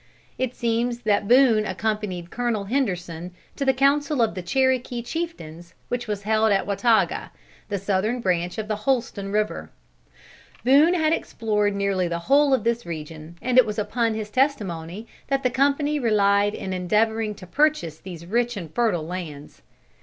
It seems that Boone accompanied Colonel Henderson to the council of the Cherokee chieftains which was held at Wataga, the southern branch of the Holston River. Boone had explored nearly the whole of this region, and it was upon his testimony that the company relied in endeavoring to purchase these rich and fertile lands.